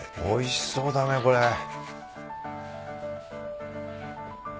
おいしそうだねこれ。